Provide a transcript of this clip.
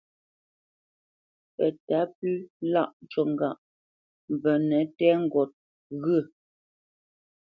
Pətǎ pʉ láʼ ncú ŋgâʼ : mvənə tɛ́ ŋgot ghyə̂.